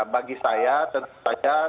bagi saya tentu saja